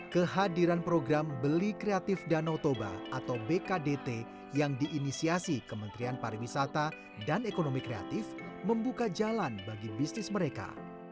kehadiran program beli kreatif danau toba atau bkdt yang diinisiasi kementerian pariwisata dan ekonomi kreatif membuka jalan bagi bisnis mereka